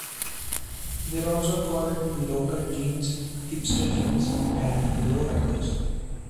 They are also called "lowcut jeans", "hipster jeans", and "lowriders".